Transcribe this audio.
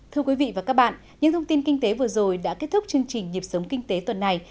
thưa quý vị và các bạn những thông tin kinh tế vừa rồi đã kết thúc chương trình nhịp sống kinh tế tuần này